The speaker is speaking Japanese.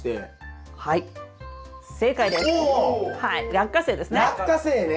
ラッカセイですね。